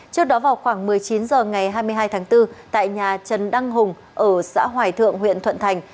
trước đó vào khoảng một mươi chín h ngày hai mươi hai tháng bốn tại nhà trần đăng hùng ở xã hoài thượng huyện thuận thành